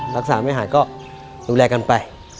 รักษาไม่หายก็ดูแลกันไป